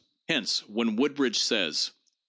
Hence, when Woodbridge says (p.